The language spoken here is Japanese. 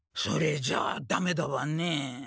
それじゃあダメだわねえ。